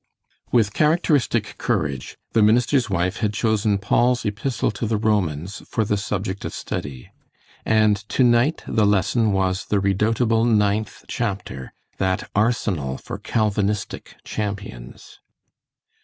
With characteristic courage, the minister's wife had chosen Paul's Epistle to the Romans for the subject of study, and to night the lesson was the redoubtable ninth chapter, that arsenal for Calvinistic champions.